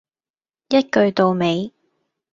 一句到尾